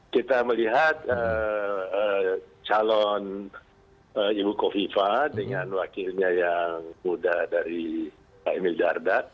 kita melihat calon ibu kofifa dengan wakilnya yang muda dari pak emil dardak